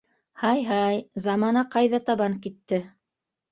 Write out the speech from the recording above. — Һай-һай, замана ҡайҙа табан китте!